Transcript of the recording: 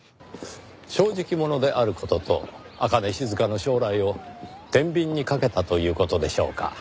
正直者である事と朱音静の将来を天秤にかけたという事でしょうか。